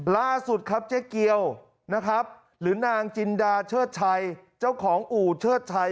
ล่าสุดครับเจ๊เกียวนะครับหรือนางจินดาเชิดชัยเจ้าของอู่เชิดชัย